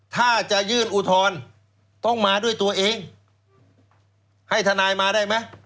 ถ้าจะยื่นอุทธรณ์ต้องมาด้วยตัวเองให้ทนายมาได้ไหม